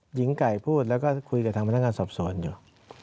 หญิงไก่พูดแล้วก็คุยกับทางพนักงานสอบสวนอยู่